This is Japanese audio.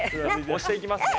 押していきますね。